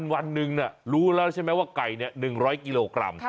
วันนึงเนี่ยรู้แล้วใช่ไหมว่าไก่เนี่ย๑๐๐กิโลกรัม